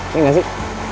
nih gak sih